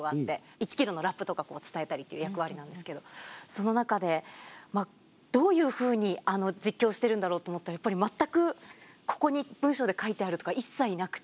１ｋｍのラップとかを伝えたりっていう役割なんですけどその中でどういうふうに実況してるんだろうと思ったらやっぱり全くここに文章で書いてあるとか一切なくて。